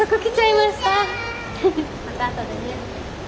またあとでね。